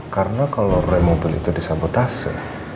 karena kalau rem mobil itu disabotase